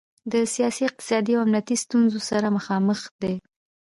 د سیاسي، اقتصادي او امنیتي ستونخو سره مخامخ دی.